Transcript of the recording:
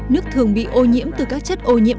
nước thường bị ô nhiễm từ các chất ô nhiễm